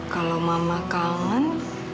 kalau mama kangen